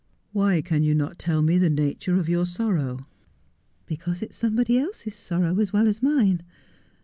' Why can you not tell me the nature of your sorrow 1 '' Because it is somebody else's sorrow as well as mine.